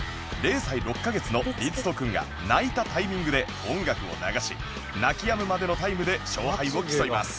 ０歳６カ月のりつと君が泣いたタイミングで音楽を流し泣き止むまでのタイムで勝敗を競います